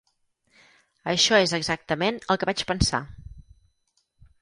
Això és exactament el que vaig pensar.